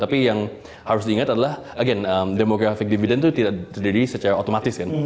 tapi yang harus diingat adalah again demographic dividend itu tidak terjadi secara otomatis kan